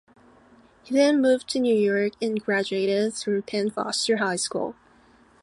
He then moved to New York and graduated through Penn Foster High School.